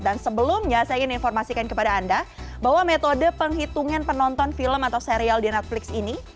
dan sebelumnya saya ingin informasikan kepada anda bahwa metode penghitungan penonton film atau serial di netflix ini